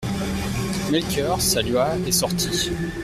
Melchior salua et sortit.